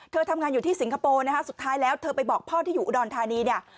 ทำงานอยู่ที่สิงคโปร์นะคะสุดท้ายแล้วเธอไปบอกพ่อที่อยู่อุดรธานีเนี่ย